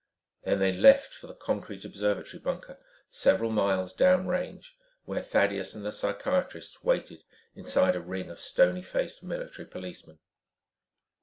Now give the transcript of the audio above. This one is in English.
Then they left for the concrete observatory bunker, several miles down range where Thaddeus and the psychiatrists waited inside a ring of stony faced military policemen.